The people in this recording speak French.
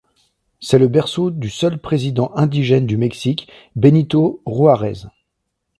C'est le berceau du seul président indigène du Mexique, Benito Juárez.